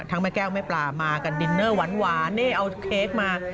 แม่แก้วแม่ปลามากันดินเนอร์หวานนี่เอาเค้กมา